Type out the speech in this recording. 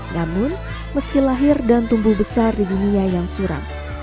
namun meski lahir dan tumbuh besar di dunia yang suram